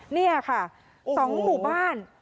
นี่ค่ะ